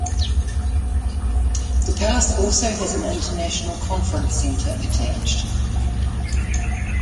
The palace also has an international conference centre attached.